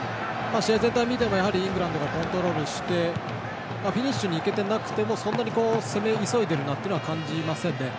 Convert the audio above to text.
試合全体を見てもイングランドがコントロールしてフィニッシュにいけてなくてもそんなに攻め急いでいるとは感じませんね。